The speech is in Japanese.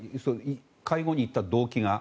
会合に行った動機が。